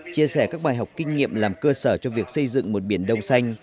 chia sẻ các bài học kinh nghiệm làm cơ sở cho việc xây dựng một biển đông xanh